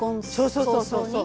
そうそうそうそう。